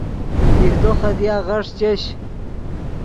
بیہدو خدیا غیݰ چش